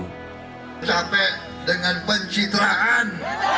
sampai dengan pencitraan